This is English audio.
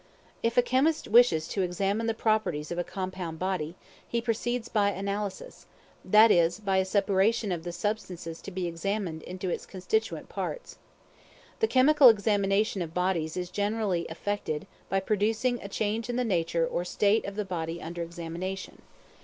If a chemist wishes to examine the properties of a compound body, he proceeds by analysis that is, by a separation of the substance to be examined into its constituent parts. The chemical examination of bodies is generally effected by producing a change in the nature or state of the body under examination.